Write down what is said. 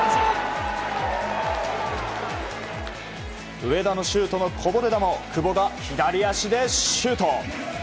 上田のシュートのこぼれ球を久保が左足でシュート！